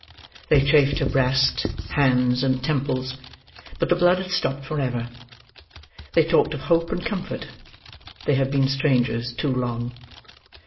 They chafed her breast, hands, and temples; but the blood had stopped forever. They talked of hope and comfort. They had been strangers too long.